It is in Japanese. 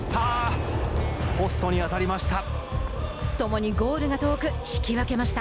ポストに当たりました。